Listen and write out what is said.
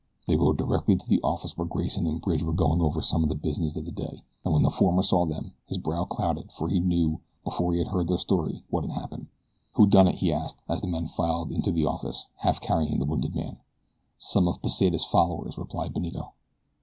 They rode directly to the office where Grayson and Bridge were going over some of the business of the day, and when the former saw them his brow clouded for he knew before he heard their story what had happened. "Who done it?" he asked, as the men filed into the office, half carrying the wounded man. "Some of Pesita's followers," replied Benito.